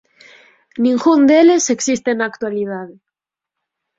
Ningún deles existe na actualidade.